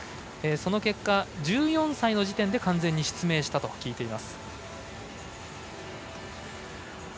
その結果、１４歳の時点で完全に失明したと聞いています。